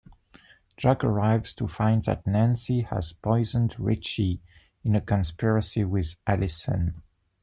Jack arrives to find that Nancy has poisoned Ritchie, in a conspiracy with Alison.